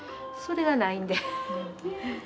それがないんで。